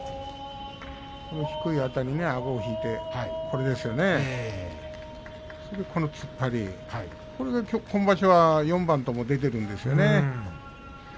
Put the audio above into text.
低いあたり、あごを引いてそして突っ張りこれが今場所は４番とも出ているんですよね。